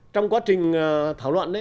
trong quá trình thảo luận